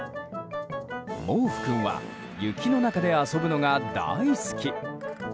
もうふ君は雪の中で遊ぶのが大好き。